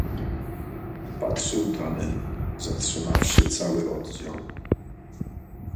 "I patrzył dalej, zatrzymawszy cały oddział."